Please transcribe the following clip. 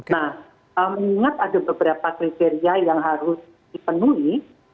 nah mengingat ada beberapa kriteria yang harus dipenuhi